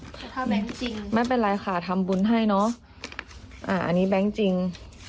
ถ้าแบงค์จริงไม่เป็นไรค่ะทำบุญให้เนอะอ่าอันนี้แบงค์จริง